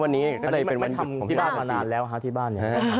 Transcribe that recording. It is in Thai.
อันนี้ไม่ทำที่บ้านมานานแล้วครับที่บ้าน